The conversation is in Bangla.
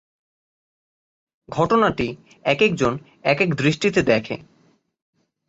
ঘটনাটি একেক জন একেক দৃষ্টিতে দেখে।